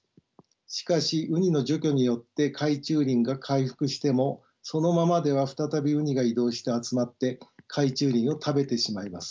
しかしウニの除去によって海中林が回復してもそのままでは再びウニが移動して集まって海中林を食べてしまいます。